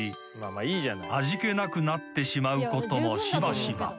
［味気なくなってしまうこともしばしば］